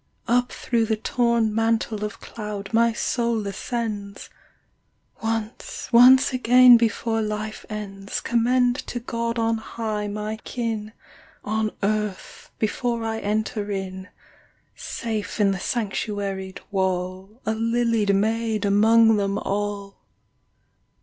— Up through the torn Mantle of cloud my soul ascends. Once, — once again before life ends, Commend to God on high my kin On Earth, before I enter in, Safe in the Sanctuaried wall, A lilied maid among them all.'